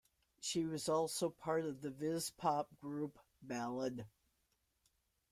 She was also part of the vispop group Ballade!